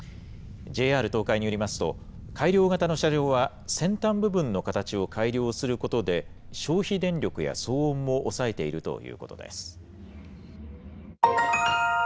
ＪＲ東海によりますと、改良型の車両は先端部分の形を改良することで、消費電力や騒音も抑えているということです。